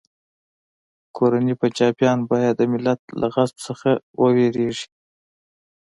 کورني پنجابیان باید د ملت له غضب څخه وویریږي